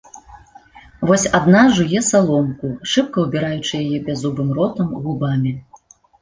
Вось адна жуе саломку, шыбка ўбіраючы яе бяззубым ротам, губамі.